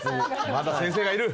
まだ先生がいる！